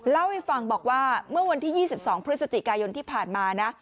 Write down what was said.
เล่าให้ฟังบอกว่าเมื่อวันที่๒๒พฤศจิกายนที่ผ่านมานะ